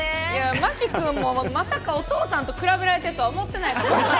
ＭＡＫＩくんもまさかお父さんと比べられてるとは思ってない！